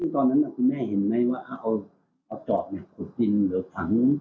ตอนนั้นคุณแม่เห็นไหมว่าเอาจอบขุดดินหรือถัง